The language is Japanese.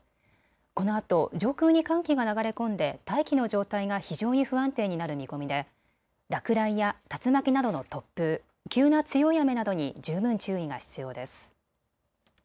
このあと上空に寒気が流れ込んで大気の状態が非常に不安定になる見込みで落雷や竜巻などの突風、急な強い雨などに十分注意が必要です。